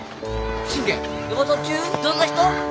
どんな人？